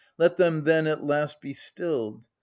Let them, then, at last be stilled!